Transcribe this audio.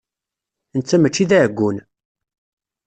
Netta mačči d aɛeggun.